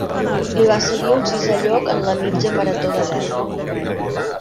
Li va seguir un sisè lloc en la mitja marató de Delhi.